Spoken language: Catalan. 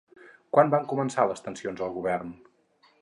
Quan van començar les tensions al govern?